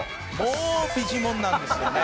「大フィジモンなんですよね」